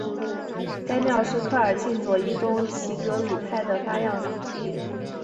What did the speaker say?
该庙是科尔沁左翼中旗格鲁派的发祥地。